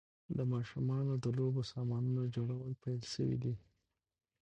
د ماشومانو د لوبو سامانونو جوړول پیل شوي دي.